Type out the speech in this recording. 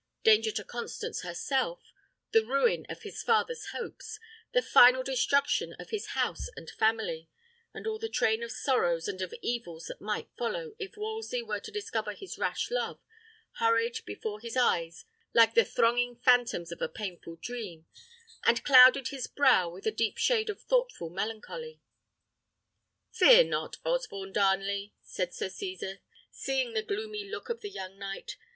Danger to Constance herself, the ruin of his father's hopes, the final destruction of his house and family, and all the train of sorrows and of evils that might follow, if Wolsey were to discover his rash love, hurried before his eyes like the thronging phantoms of a painful dream, and clouded his brow with a deep shade of thoughtful melancholy. "Fear not, Osborne Darnley," said Sir Cesar, seeing the gloomy look of the young knight.